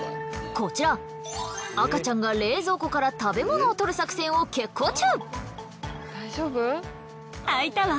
こちら赤ちゃんが冷蔵庫から食べ物を取る作戦を決行中。